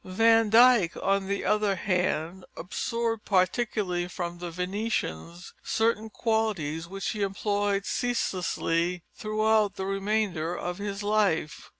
Van Dyck, on the other hand, absorbed, particularly from the Venetians, certain qualities which he employed ceaselessly throughout the remainder of his life.